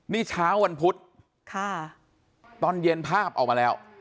นี่เช้าวันพุธตอนเย็นภาพออกมาแล้ว